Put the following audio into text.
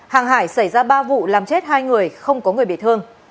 hàng hải xảy ra ba vụ làm chết hai người không có người bị thương